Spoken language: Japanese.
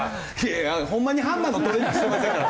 いやホンマにハンマーのトレーニングしてませんから。